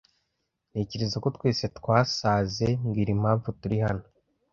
Ntekereza ko twese twasaze. Mbwira impamvu turi hano